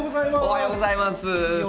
おはようございます。